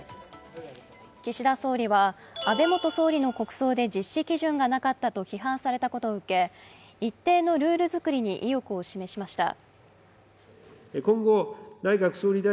岸田総理は安倍元総理の国葬で実施基準がなかったと批判されたことを受け、一定のルール作りに意欲を示しました。